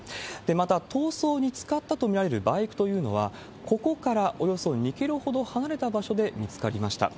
また、逃走に使ったと見られるバイクというのは、ここからおよそ２キロほど離れた場所で見つかりました。